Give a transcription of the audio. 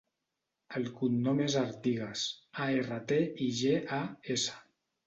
El cognom és Artigas: a, erra, te, i, ge, a, essa.